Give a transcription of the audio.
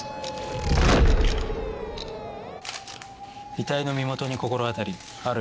遺体の身元に心当たりある？